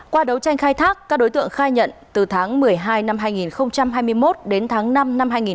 qua đấu tranh khai thác các đối tượng khai nhận từ tháng một mươi hai năm hai nghìn hai mươi một đến tháng năm năm hai nghìn hai mươi ba